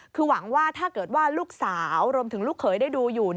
คือหวังว่าถ้าเกิดว่าลูกสาวรวมถึงลูกเขยได้ดูอยู่